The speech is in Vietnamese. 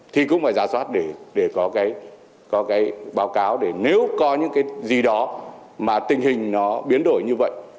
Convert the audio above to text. thì cũng phải ra soát để có cái báo cáo để nếu có những cái gì đó mà tình hình nó biến đổi như vậy